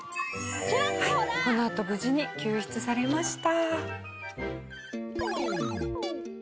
このあと無事に救出されました。